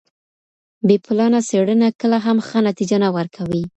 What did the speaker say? بې پلانه څېړنه کله هم ښه نتیجه نه ورکوي.